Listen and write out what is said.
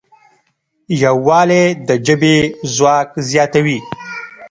یووالی د ژبې ځواک زیاتوي.